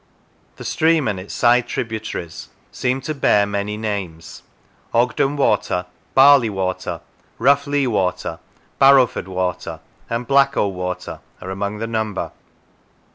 The stream and its side tributaries seem to bear many names Ogden Water, Barley Water, Roughlee Water, Barrowford Water, and Blacko Water, are 208 Pendie among ^the number.